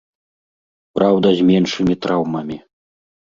Праўда, з меншымі траўмамі.